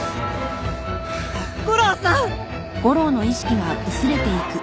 悟郎さん！？